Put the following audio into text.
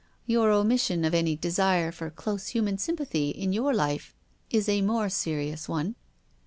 " Your omission of any desire for close human sympathy in your life is a more serious one."